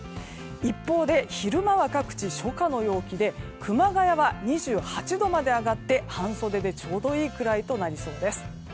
一方で、昼間は各地初夏の陽気で熊谷は２８度まで上がって半袖でちょうどいいくらいとなりそうです。